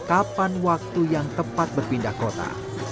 kapan waktu yang tepat berpindah kota